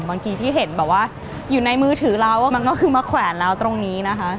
บางทีที่เห็นแบบว่าอยู่ในมือถือเรามันก็คือมาแขวนเราตรงนี้นะคะ